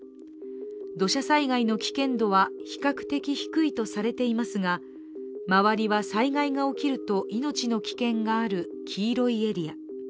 土砂災害の危険度は比較的低いとされていますが周りは災害が起きると命の危険がある黄色いエリア。